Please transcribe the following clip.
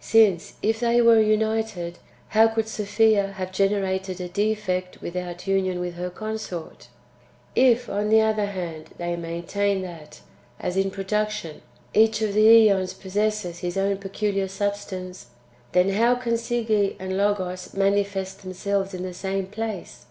Since, if they were united, how could Sophia have generated a defect without union with her consort ? If, on the other hand, they maintain that, as in production, each of the zEons possesses his own peculiar substance, then how can Si<j^e and Loo os manifest themselves in the same place